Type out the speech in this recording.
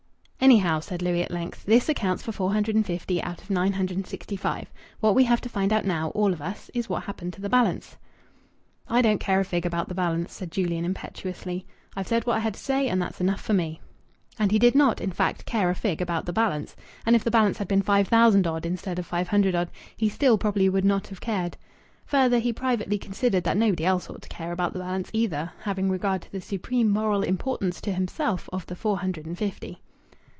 "Anyhow," said Louis at length, "this accounts for four hundred and fifty out of nine sixty five. What we have to find out now, all of us, is what happened to the balance." "I don't care a fig about the balance," said Julian impetuously. "I've said what I had to say and that's enough for me." And he did not, in fact, care a fig about the balance. And if the balance had been five thousand odd instead of five hundred odd, he still probably would not have cared. Further, he privately considered that nobody else ought to care about the balance, either, having regard to the supreme moral importance to himself of the four hundred and fifty.